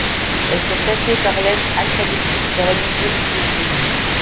Elles sont classées par lettres alphabétiques dans la mesure du possible.